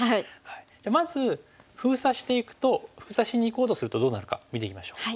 じゃあまず封鎖していくと封鎖しにいこうとするとどうなるか見ていきましょう。